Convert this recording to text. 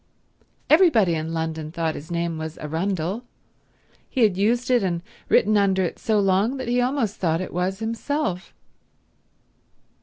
Everybody in London thought his name was Arundel. He had used it and written under it so long that he almost thought it was himself.